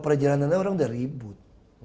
ke jalan nanda orang udah ribut